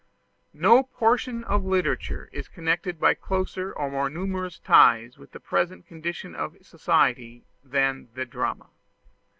No portion of literature is connected by closer or more numerous ties with the present condition of society than the drama.